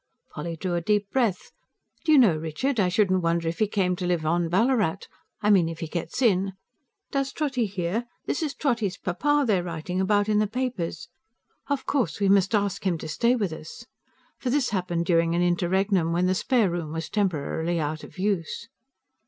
Polly drew a deep breath. "Do you know, Richard, I shouldn't wonder if he came to live on Ballarat I mean if he gets in. Does Trotty hear? This is Trotty's papa they're writing about in the papers. Of course we must ask him to stay with us." For this happened during an interregnum, when the spare room was temporarily out of use.